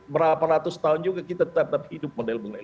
berapa ratus tahun juga kita tetap hidup model